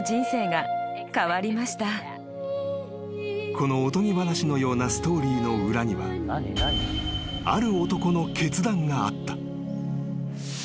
［このおとぎ話のようなストーリーの裏にはある男の決断があった］